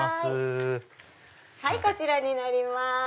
こちらになります。